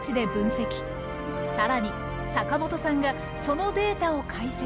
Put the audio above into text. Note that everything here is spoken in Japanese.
さらに坂本さんがそのデータを解析。